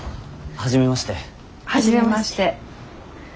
はじめまして。